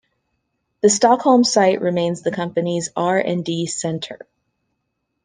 The Stockholm site remains the company's R and D center.